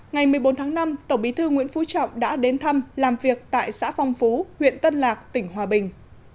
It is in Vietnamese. ngày một mươi bốn tháng năm tổng bí thư nguyễn phú trọng đã đến thăm làm việc tại xã phong phú huyện tân lạc tỉnh hòa bình